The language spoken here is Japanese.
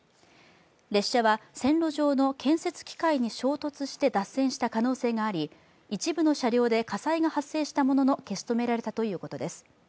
列車は線路上の建設機械に衝突して脱線した可能性があり、一部の車両で火災が発生したものの、消し止められたということです。